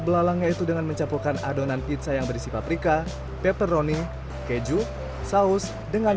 belalang yaitu dengan mencampurkan adonan pizza yang berisi paprika pepperoni keju saus dengan